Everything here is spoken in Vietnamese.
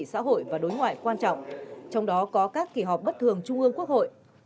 xã hội và đối ngoại quan trọng trong đó có các kỳ họp bất thường trung ương quốc hội